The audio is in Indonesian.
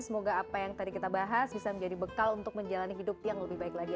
semoga apa yang tadi kita bahas bisa menjadi bekal untuk menjalani hidup yang lebih baik lagi